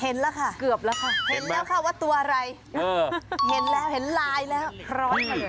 เห็นแล้วค่ะเกือบแล้วค่ะเห็นแล้วว่าตัวอะไรเห็นแล้วเห็นไลน์แล้ว